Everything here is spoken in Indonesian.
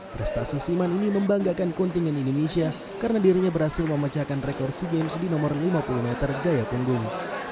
prestasi siman ini membanggakan kontingen indonesia karena dirinya berhasil memecahkan rekor sea games di nomor lima puluh meter gaya punggung